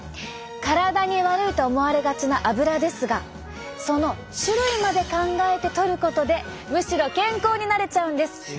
体に悪いと思われがちなアブラですがその種類まで考えてとることでむしろ健康になれちゃうんです。